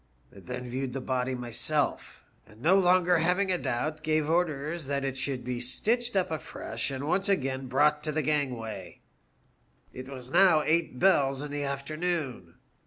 I then viewed the body myself, and no longer having a doubt gave orders that it should be stitched up afresh and once again brought to the gangway. " It was now eight bells in the afternoon.